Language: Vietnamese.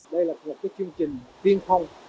đây là một cái chương trình viên phong